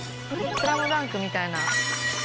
「スラムダンク」みたいな。